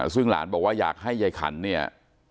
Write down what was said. ซึ่งหลานบอกว่าอยากให้ยายขันเนี่ย